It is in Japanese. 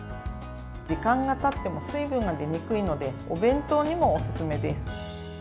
時間がたっても水分が出にくいのでお弁当にもおすすめです。